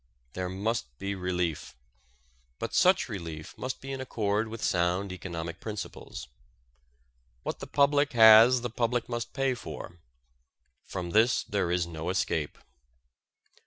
There must be relief. But such relief must be in accord with sound economic principles. What the public has the public must pay for. From this there is no escape.